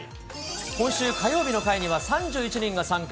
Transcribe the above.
今週火曜日の会には３１人が参加。